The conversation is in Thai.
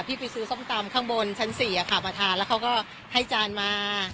ไปซื้อส้มตำข้างบนชั้น๔มาทานแล้วเขาก็ให้จานมา